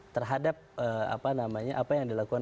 terhadap apa namanya apa yang dilakukan